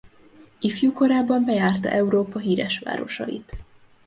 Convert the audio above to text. Ifjúkorában bejárta Európa híres városait.